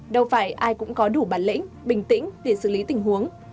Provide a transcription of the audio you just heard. đâu phải ai cũng có đủ bản lĩnh bình tĩnh để xử lý tình huống